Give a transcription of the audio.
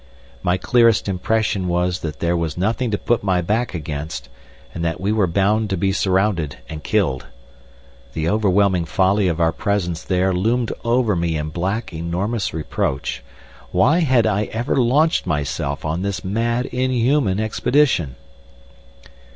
My clearest impression was that there was nothing to put my back against, and that we were bound to be surrounded and killed. The overwhelming folly of our presence there loomed over me in black, enormous reproach. Why had I ever launched myself on this mad, inhuman expedition?